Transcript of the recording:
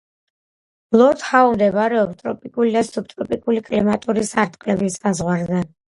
ლორდ-ჰაუ მდებარეობს ტროპიკული და სუბტროპიკული კლიმატური სარტყლების საზღვარზე.